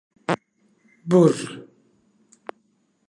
Bur.